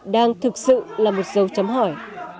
đang thực sự là một dấu chấm hỏi